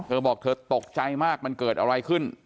บอกเธอตกใจมากมันเกิดอะไรขึ้น